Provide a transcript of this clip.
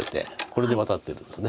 これでワタってるんです。